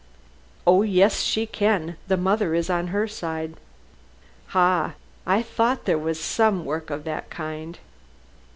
"Oh yes, she can. The mother is on her side." "Ah! I thought there was some work of that kind."